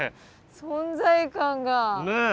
存在感が。ねえ。